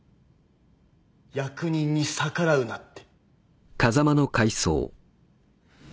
役人に逆らうなって。